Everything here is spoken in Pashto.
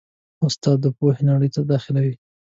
استاد د پوهې نړۍ ته داخلوي.